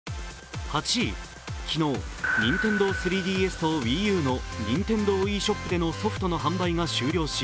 昨日、ニンテンドー３ＤＳとＷｉｉＵのニンテンドーｅショップでのソフトの販売が終了し、